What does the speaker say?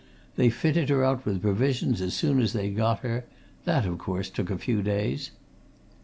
They fitted her out with provisions as soon as they'd got her that, of course, took a few days."